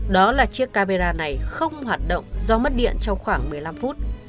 đó là chiếc camera này không hoạt động do mất điện trong khoảng một mươi năm phút